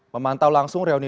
memantau langkah langkah ini